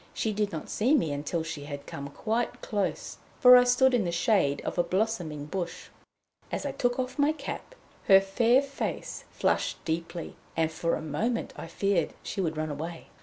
She did not see me until she had come quite close, for I stood in the shade of a blossoming bush. As I took off my cap, her fair face flushed deeply, and for a moment I feared she would run away.